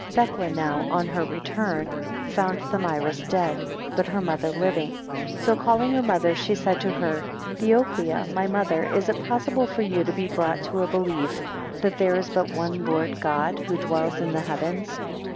8 Thecla now (on her return) found Thamyris dead, but her mother living. So calling her mother, she said to her: Theoclia, my mother, is it possible for you to be brought to a belief, that there is but one Lord God, who dwells in the heavens?